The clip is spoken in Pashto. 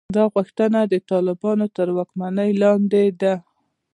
دا غوښتنه د طالبانو تر واکمنۍ لاندې ده.